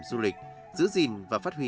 du lịch giữ gìn và phát huy